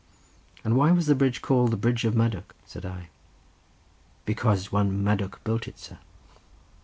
"And why was the bridge called the bridge of Madoc?" said I. "Because one Madoc built it, sir."